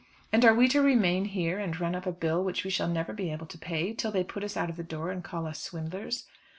And are we to remain here, and run up a bill which we shall never be able to pay, till they put us out of the door and call us swindlers?"